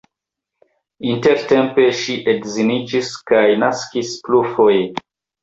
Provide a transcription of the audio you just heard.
Intertempe ŝi edziniĝis kaj naskis plurfoje.